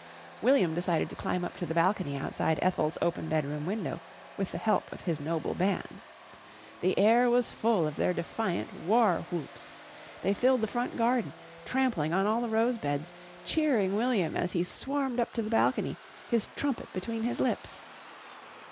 William decided to climb up to the balcony outside Ethel's open bedroom window with the help of his noble band. The air was full of their defiant war whoops. They filled the front garden, trampling on all the rose beds, cheering William as he swarmed up to the balcony, his trumpet between his lips.